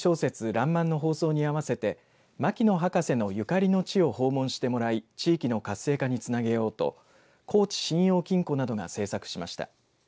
らんまんの放送に合わせて牧野博士のゆかりの地を訪問してもらい地域の活性化につなげようと高知信用金庫などが制作しました。